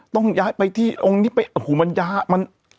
ต้องย้ายไปที่มันยาว